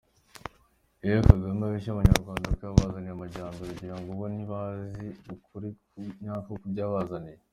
Iyo Kagame abeshya abanyarwanda ko yabazaniye amajyambere, ugirango bo ntibazi ukuri nyako kubyo yabazaniye!